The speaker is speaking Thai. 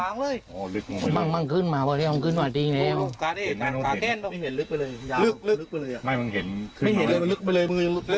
เนี่ยจามนาฏก็พามาดูอะไรแล้วครับ